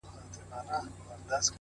o زموږ څه ژوند واخله ـ